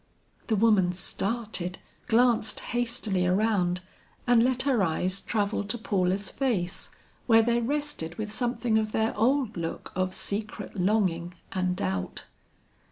The woman started, glanced hastily around, and let her eyes travel to Paula's face where they rested with something of their old look of secret longing and doubt.